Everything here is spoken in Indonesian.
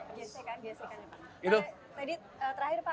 tantangan yang memang harus dipersiapkan oleh indonesia